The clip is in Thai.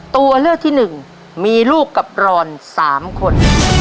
ตัวเลือกที่หนึ่งมีลูกกับรอนสามคน